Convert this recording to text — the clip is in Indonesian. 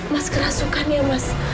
mas kerasukan ya mas